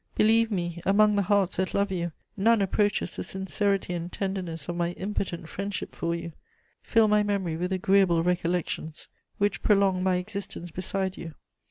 Believe me, among the hearts that love you, none approaches the sincerity and tenderness of my impotent friendship for you. Fill my memory with agreeable recollections, which prolong my existence beside you.